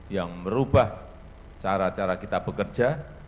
yang merubah cara cara kita bekerja